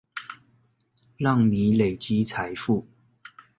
讓你累積財富